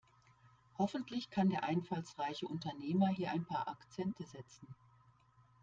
Hoffentlich kann der einfallsreiche Unternehmer hier ein paar Akzente setzen.